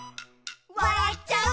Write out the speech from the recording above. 「わらっちゃう」